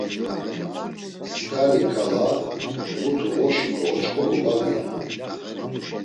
Skani k̆ala mutu oşu do oç̌k̆omu var minon.